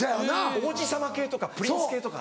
王子様系とかプリンス系とか。